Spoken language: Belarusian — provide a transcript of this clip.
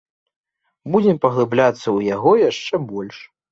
Будзем паглыбляцца ў яго яшчэ больш.